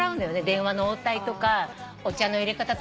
電話の応対とかお茶の入れ方とか。